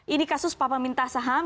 ini kasus papa minta saham